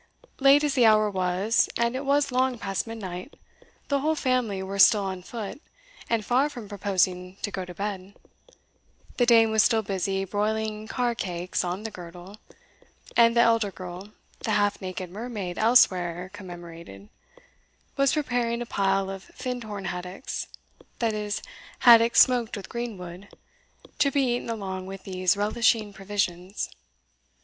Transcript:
Late as the hour was (and it was long past midnight), the whole family were still on foot, and far from proposing to go to bed; the dame was still busy broiling car cakes on the girdle, and the elder girl, the half naked mermaid elsewhere commemorated, was preparing a pile of Findhorn haddocks (that is, haddocks smoked with green wood), to be eaten along with these relishing provisions.